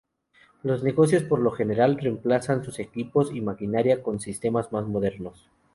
Los negocios por lo general reemplazan sus equipos y maquinaria con sistemas más modernos.